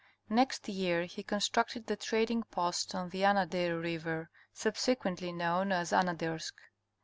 Next year he constructed the trading post on the Anadyr river subsequently known as Anadyrsk.